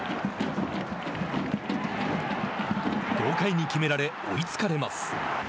豪快に決められ追いつかれます。